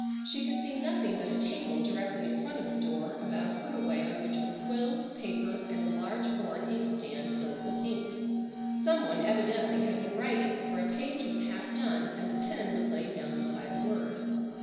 She could see nothing but a table directly in front of the door about a foot away on which were quills, paper, and a large horn inkstand filled with ink. Some one evidently had been writing, for a page was half done, and the pen was laid down beside a word.